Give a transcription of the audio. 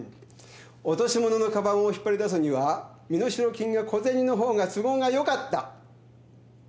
落とし物の鞄を引っ張り出すには身代金が小銭のほうが都合がよかった。